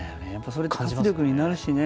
それ活力になるしね。